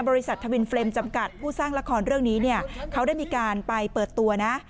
ทวินเฟรมจำกัดผู้สร้างละครเรื่องนี้เนี่ยเขาได้มีการไปเปิดตัวนะ